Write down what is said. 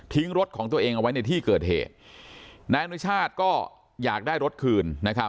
รถของตัวเองเอาไว้ในที่เกิดเหตุนายอนุชาติก็อยากได้รถคืนนะครับ